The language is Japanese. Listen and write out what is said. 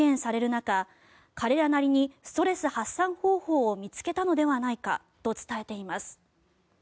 中彼らなりにストレス発散方法を見つけたのではないかと伝えています。